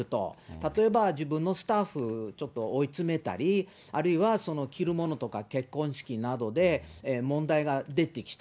例えば、自分のスタッフ、ちょっと追い詰めたり、あるいは、着るものとか結婚式などで問題が出てきた。